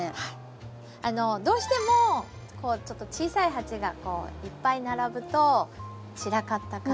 どうしてもちょっと小さい鉢がいっぱい並ぶと散らかった感じがするじゃないですか。